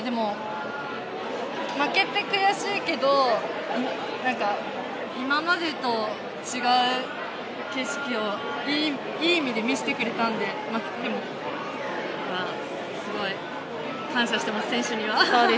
負けて悔しいけど、今までと違う景色を、いい意味で見せてくれたんで、でも、すごい感謝してます、選手には。